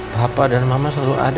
papa dan mama selalu sayang kamu